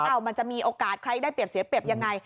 มันจะมีโอกาสใครได้เปรียบเสียเปรียบยังไง